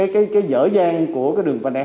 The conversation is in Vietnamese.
cái dở dàng của đường venday hai